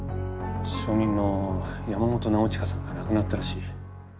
証人の山本尚親さんが亡くなったらしい。